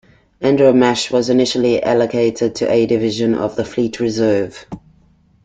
"Andromache" was initially allocated to A Division of the Fleet Reserve.